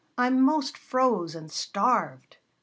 I'm most froze and starved!"